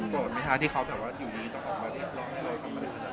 โกรธไหมคะที่เขาแบบว่าอยู่นี้ต้องออกมาเรียกร้องให้เรา